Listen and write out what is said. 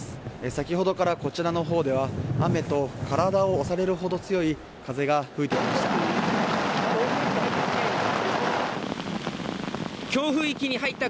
先ほどからこちらのほうでは雨と、体を押されるほど強い風が吹いてきました。